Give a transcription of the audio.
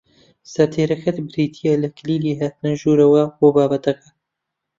سەردێڕەکەت بریتییە لە کلیلی هاتنە ژوورەوە بۆ بابەتەکە